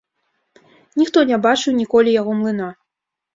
Ніхто не бачыў ніколі яго млына.